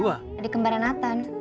ada kembar nathan